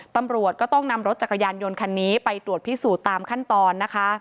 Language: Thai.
ตำรวจก็ต้องนำรถจักรยานยนต์คันนี้ไปตรวจพิสูจน์ตามขั้นตอนนะคะ